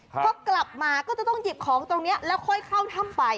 พอกลับมาก็จะต้องหยิบของตรงนี้แล้วค่อยเข้าถ้ำไป